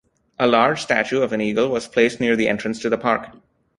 A large statue of an eagle was placed near the entrance to the park.